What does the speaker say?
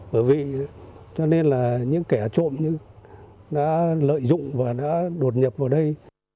bởi vì cho nên là những kẻ trộm như đã lợi dụng và đã đột nhập vào đây